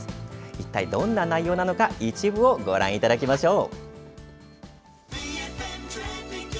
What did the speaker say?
一体どんな内容なのか一部をご覧いただきましょう！